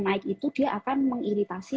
naik itu dia akan mengiritasi